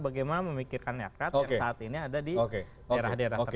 bagaimana memikirkan nyakrat yang saat ini ada di daerah daerah tertentu